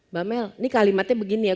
mbak mel ini kalimatnya begini ya